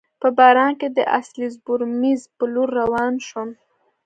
په باران کي د اسلز بورومیز په لور روان شوم.